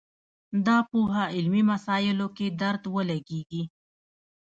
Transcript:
دا پوهه علمي مسایلو کې درد ولګېږي